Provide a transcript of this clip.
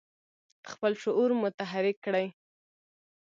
خپل شعور متحرک کړي.